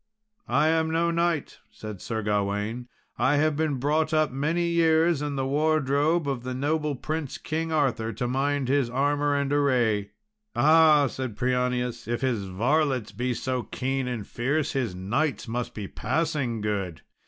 "I am no knight," said Sir Gawain; "I have been brought up many years in the wardrobe of the noble prince King Arthur, to mind his armour and array." "Ah," said Prianius, "if his varlets be so keen and fierce, his knights must be passing good!